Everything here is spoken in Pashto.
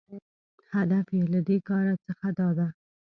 هدف یې له دې کاره څخه داده